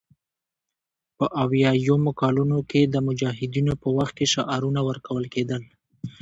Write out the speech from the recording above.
په اویایمو کلونو کې د مجاهدینو په وخت کې شعارونه ورکول کېدل